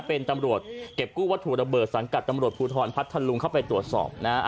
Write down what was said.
เป็นตำรวจเก็บกู้วัตถุระเบิดสังกัดตำรวจภูทรพัทธลุงเข้าไปตรวจสอบนะฮะ